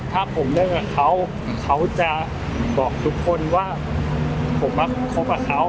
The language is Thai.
ถ้าผมเลิกกับเขาเขาจะบอกทุกคนว่าผมมาคบกับเขา